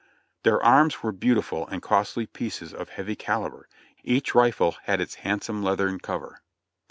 Their arms were beau tiful and costly pieces of heavy calibre; each rifle had its hand some leathern cover.